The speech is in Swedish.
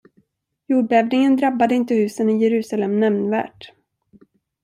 Jordbävningen drabbade inte husen i Jerusalem nämnvärt.